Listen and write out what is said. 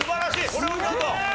これはお見事。